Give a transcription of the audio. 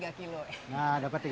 nah dapat tiga kg